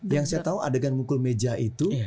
yang saya tahu adegan mukul meja itu